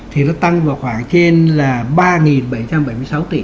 thì nó tăng vào khoảng trên là ba bảy trăm bảy mươi sáu tỷ